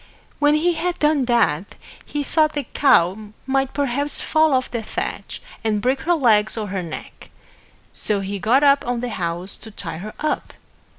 When he had done that, he thought the cow might perhaps fall off the thatch and break her legs or her neck. So he got up on the house to tie her up.